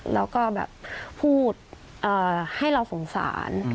แล้วก็แบบพูดให้เราสงสาร